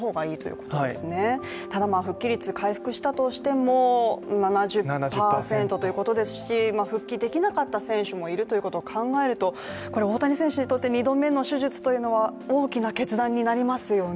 ただ復帰率、回復したとしても７０％ということですし復帰できなかった選手もいるということを考えると、これは大谷選手にとって２度目の手術というのは大きな決断になりますよね？